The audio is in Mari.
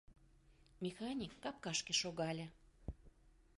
Механик капкашке шогале.